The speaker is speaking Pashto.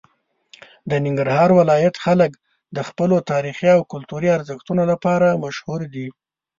د ننګرهار ولایت خلک د خپلو تاریخي او کلتوري ارزښتونو لپاره مشهور دي.